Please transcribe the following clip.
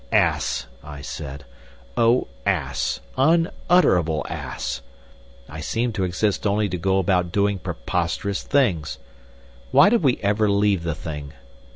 "Ass!" I said; "oh, ass, unutterable ass.... I seem to exist only to go about doing preposterous things. Why did we ever leave the thing?